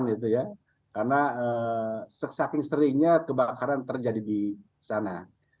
karena seksaping seringnya kebakaran terjadi di sana